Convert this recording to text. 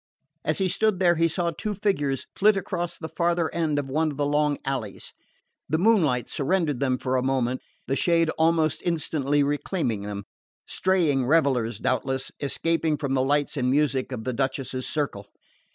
As he stood there he saw two figures flit across the farther end of one of the long alleys. The moonlight surrendered them for a moment, the shade almost instantly reclaiming them strayed revellers, doubtless, escaping from the lights and music of the Duchess's circle.